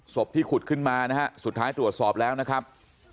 ที่ขุดขึ้นมานะฮะสุดท้ายตรวจสอบแล้วนะครับ